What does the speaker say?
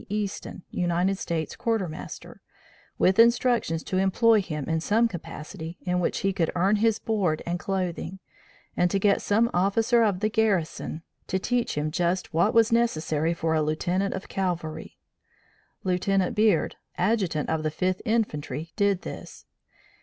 Easton, United States Quartermaster, with instructions to employ him in some capacity in which he could earn his board and clothing, and to get some officer of the garrison to teach him just what was necessary for a Lieutenant of Cavalry. Lieutenant Beard, adjutant of the Fifth Infantry did this.